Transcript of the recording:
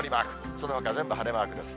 そのほか全部晴れマークです。